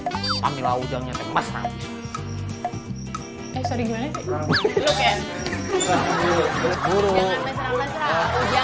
pun si ampun ah udah mau jangkau pun sama neng biasa biasa